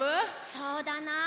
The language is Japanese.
そうだな。